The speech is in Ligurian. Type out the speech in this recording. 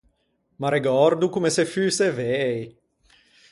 M’arregòrdo comme se fïse vëi.